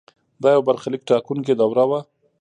دا یو برخلیک ټاکونکې دوره وه.